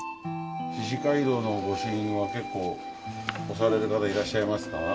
四寺廻廊の御朱印は結構押される方いらっしゃいますか？